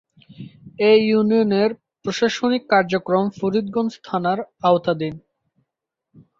এ ইউনিয়নের প্রশাসনিক কার্যক্রম ফরিদগঞ্জ থানার আওতাধীন।